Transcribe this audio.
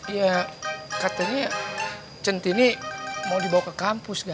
ya katanya centini mau dibawa ke kampus